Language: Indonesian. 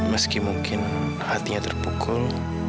meski mungkin hatinya terpukul